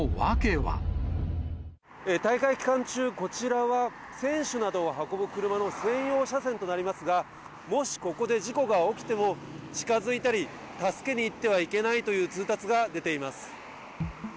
大会期間中、こちらは選手などを運ぶ車の専用車線となりますが、もしここで事故が起きても、近づいたり、助けに行ってはいけないという通達が出ています。